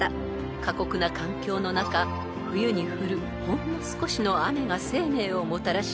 ［過酷な環境の中冬に降るほんの少しの雨が生命をもたらし］